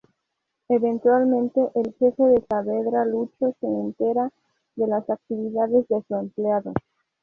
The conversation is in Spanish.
Eventualmente, el jefe de Saavedra, Lucho, se entera de las actividades de su empleado.